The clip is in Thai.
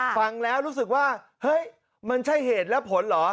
ฟังแล้วรู้สึกว่าเฮ้ยมันใช่เหตุและผลเหรอ